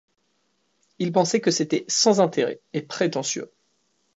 Il pensait que c'était sans intérêt et prétentieux.